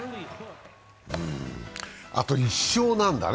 あと１勝なんだね。